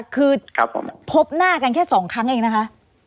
คือพบหน้ากันแค่๒ครั้งเองนะคะ